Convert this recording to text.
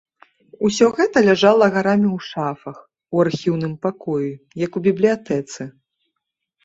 Усё гэта ляжала гарамі ў шафах, у архіўным пакоі, як у бібліятэцы.